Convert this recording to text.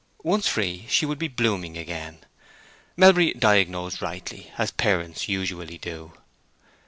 Once free she would be blooming again. Melbury diagnosed rightly, as parents usually do.